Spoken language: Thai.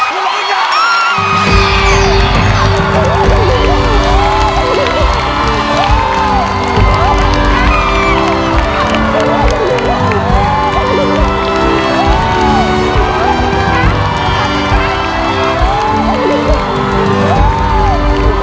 ร้องได้